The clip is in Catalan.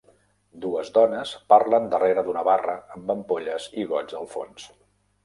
Dues dones parlen darrere d'una barra amb ampolles i gots al fons.